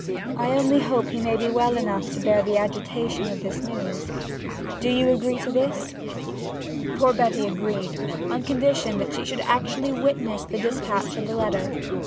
I only hope he may be well enough to bear the agitation of this news. Do you agree to this?' Poor Betty agreed, on condition that she should actually witness the despatch of the letter.